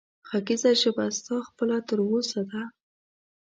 غږېږه ژبه ستا خپله تر اوسه ده